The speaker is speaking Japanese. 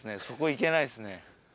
そこ行けないっすね。